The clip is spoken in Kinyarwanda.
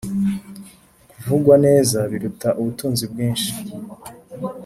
kuvugwa neza biruta ubutunzi bwinshi,